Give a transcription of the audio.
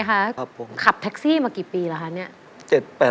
มค่ะขับแท็กซี่มากี่ปีละคะ